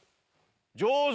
上手！